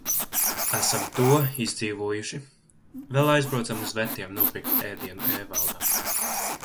Esam to izdzīvojuši. Vēl aizbraucam uz vetiem nopirkt ēdienu Ēvaldam.